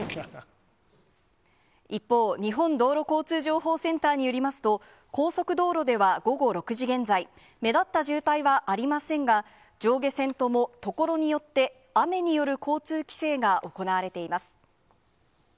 一方、日本道路交通情報センターによりますと、高速道路では午後６時現在、目立った渋滞はありませんが、上下線とも、所によって、雨による交通規制が行われています。